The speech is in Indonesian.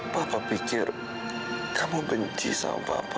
papa pikir kamu benci sama bapak